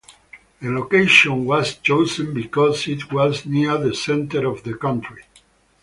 The location was chosen because it was near the center of the country.